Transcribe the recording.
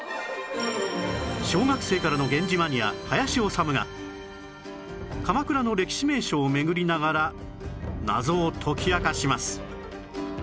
小学生からの源氏マニア林修が鎌倉の歴史名所を巡りながら謎を解き明かします